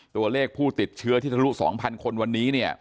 ตัวเลขผู้ติดเชื้อที่ทะลุ๒๐๐คนวันนี้เนี่ย